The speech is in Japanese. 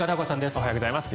おはようございます。